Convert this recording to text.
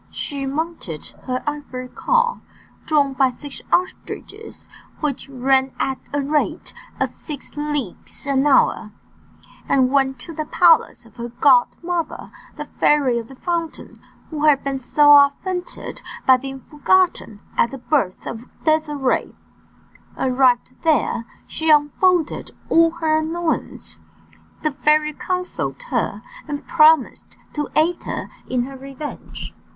She mounted her ivory car, drawn by six ostriches which ran at the rate of six leagues an hour, and went to the palace of her godmother, the Fairy of the Fountain, who had been so offended by being forgotten at the birth of Désirée. Arrived there, she unfolded all her annoyances. The fairy consoled her, and promised to aid her in her revenge.